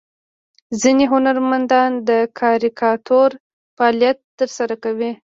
ځینې هنرمندان د کاریکاتور فعالیت ترسره کوي.